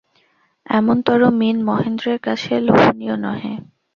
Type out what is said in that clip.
এমনতরো মিণ মহেন্দ্রের কাছে লোভনীয় নহে।